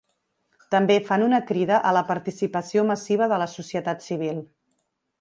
També fan una crida a la participació massiva de la societat civil.